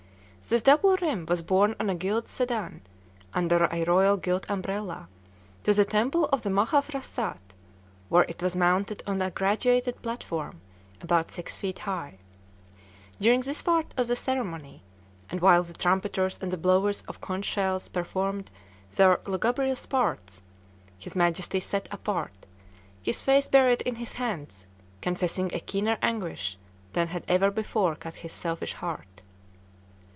This double rim was borne on a gilt sedan, under a royal gilt umbrella, to the temple of the Maha Phrasat, where it was mounted on a graduated platform about six feet high. During this part of the ceremony, and while the trumpeters and the blowers of conch shells performed their lugubrious parts, his Majesty sat apart, his face buried in his hands, confessing a keener anguish than had ever before cut his selfish heart.